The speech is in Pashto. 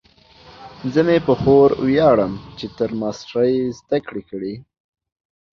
زه مې په خور ویاړم چې تر ماسټرۍ یې زده کړې کړي